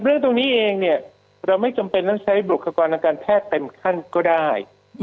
เรื่องตรงนี้เองเนี่ยเราไม่จำเป็นต้องใช้บุคลากรทางการแพทย์เต็มขั้นก็ได้